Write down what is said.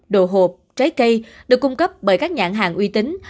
đồ hộp trái cây được cung cấp bởi các nhãn hàng uy tín